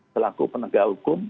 selaku penegak hukum